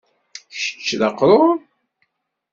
kečč d aqrur?